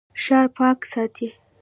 ښار پاک ساتئ